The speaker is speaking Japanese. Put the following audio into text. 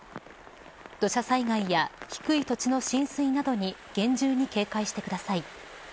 土砂災害や低い土地の浸水などに厳重に警戒してください。